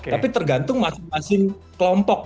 tapi tergantung masing masing kelompok